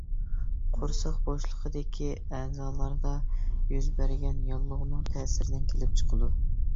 قورساق بوشلۇقىدىكى ئەزالاردا يۈز بەرگەن ياللۇغىنىڭ تەسىرىدىن كېلىپ چىقىدۇ.